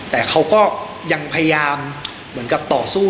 แต่เขาก็ยังพยายามเหมือนกับต่อสู้